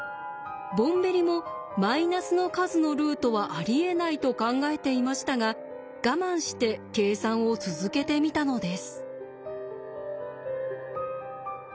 ボンベリもマイナスの数のルートはありえないと考えていましたが我慢して計算を続けてみたのです。